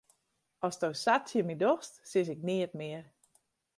Asto sa tsjin my dochst, sis ik neat mear.